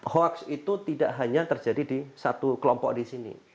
hoax itu tidak hanya terjadi di satu kelompok di sini